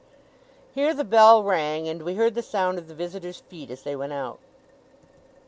Here the bell rang, and we heard the sound of the visitors' feet as they went out.